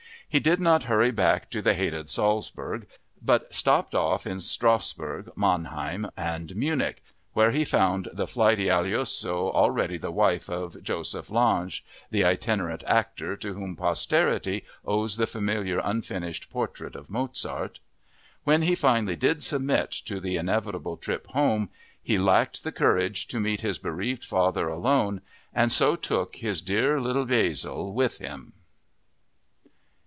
He did not hurry back to the hated Salzburg but stopped off in Strassburg, Mannheim, and Munich, where he found the flighty Aloysia already the wife of Joseph Lange (the itinerant actor to whom posterity owes the familiar unfinished portrait of Mozart). When he finally did submit to the inevitable trip home he lacked the courage to meet his bereaved father alone and so took his "dear little Bäsle" with him.